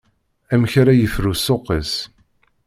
Amek ara yefru ssuq-is.